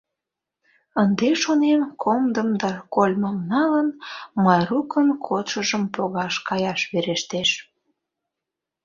Ынде, шонем, комдым да кольмым налын, Майрукын кодшыжым погаш каяш верештеш.